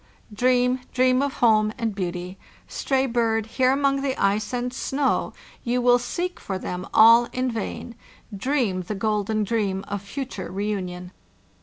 "Dream, dream of home and beauty! Stray bird, here among the ice and snow you will seek for them all in vain. Dream the golden dream of future reunion!